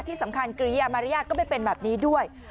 ที่สำคัญกริยามารยาทก็ไม่เป็นแบบนี้ด้วย